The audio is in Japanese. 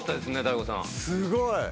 すごい。